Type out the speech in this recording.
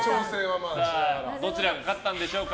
どちらが勝ったんでしょうか。